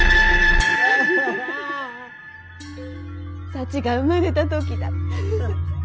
サチが生まれた時だ。